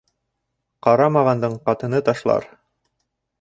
Ҡарамағандың ҡатыны ташлар